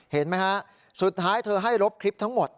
เห็นไหมฮะสุดท้ายเธอให้รบคลิปทั้งหมด